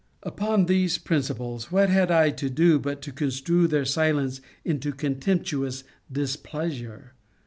Upon these principles, what had I to do but to construe her silence into contemptuous displeasure?